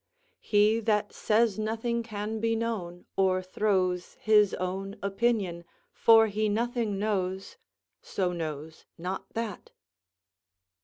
"He that says nothing can be known, o'erthrows His own opinion, for he nothing knows, So knows not that."